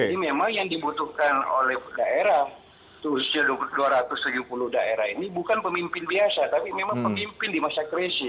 jadi memang yang dibutuhkan oleh daerah dua ratus tujuh puluh daerah ini bukan pemimpin biasa tapi memang pemimpin di masa krisis